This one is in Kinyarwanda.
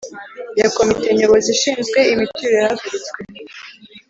ya Komite nyobozi ishinzwe imiturire yahagaritswe